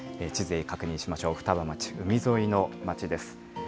地図で確認しましょう、双葉町、海沿いの町です。